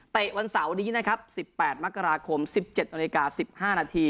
เตะวันเสาร์วันนี้นะครับ๑๘มกราคม๑๗น๑๕น